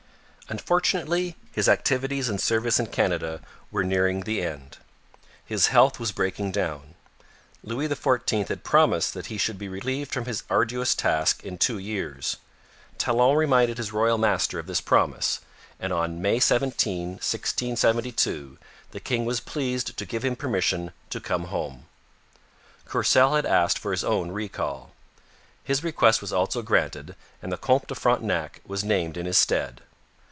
Unfortunately his activities and service in Canada were nearing their end. His health was breaking down. Louis XIV had promised that he should be relieved from his arduous task in two years. Talon reminded his royal master of this promise, and on May 17, 1672, the king was pleased to give him permission to come home. Courcelle had asked for his own recall; his request was also granted and the Comte de Frontenac was named in his stead.